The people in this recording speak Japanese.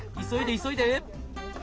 急いで急いで！